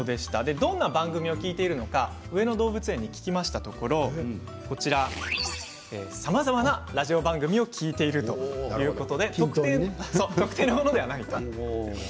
どんな番組を聞いているのか上野動物園に聞きましたところさまざまなラジオ番組を聞いている、ということで特定のものではないということです。